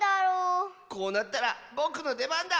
こうなったらぼくのでばんだ！